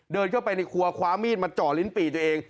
เดินเข้าไปในครัวคว้ามีดมาเจาะลิ้นปี่ตัวเอง